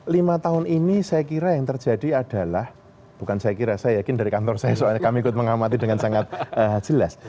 lima tahun ini saya kira yang terjadi adalah bukan saya kira saya yakin dari kantor saya soalnya kami ikut mengamati dengan sangat jelas